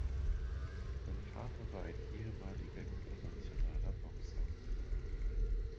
Sein Vater war ein ehemaliger internationaler Boxer.